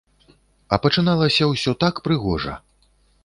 А пачыналася ўсё так прыгожа.